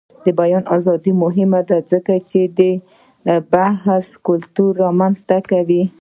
د بیان ازادي مهمه ده ځکه چې د بحث کلتور رامنځته کوي.